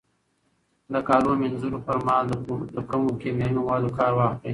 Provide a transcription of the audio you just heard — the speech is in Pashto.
د کالو مینځلو پر مهال له کمو کیمیاوي موادو کار واخلئ.